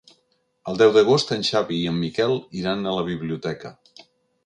El deu d'agost en Xavi i en Miquel iran a la biblioteca.